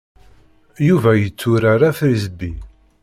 Yuba yetturar afrizbi.